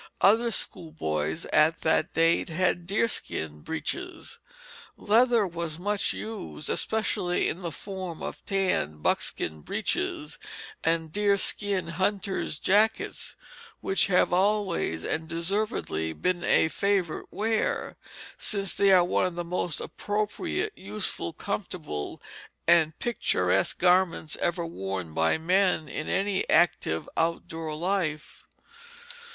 Other schoolboys at that date had deerskin breeches. Leather was much used, especially in the form of tanned buckskin breeches and the deerskin hunters' jackets, which have always and deservedly been a favorite wear, since they are one of the most appropriate, useful, comfortable, and picturesque garments ever worn by men in any active outdoor life.